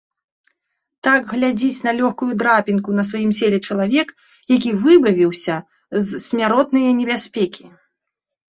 Так глядзіць на лёгкую драпінку на сваім целе чалавек, які выбавіўся з смяротнае небяспекі.